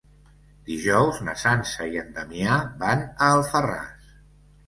Dijous na Sança i en Damià van a Alfarràs.